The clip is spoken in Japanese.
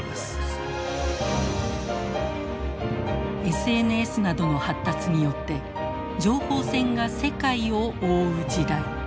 ＳＮＳなどの発達によって情報戦が世界を覆う時代。